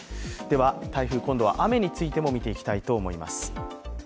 台風、今度は雨についても見ていきたいと思います。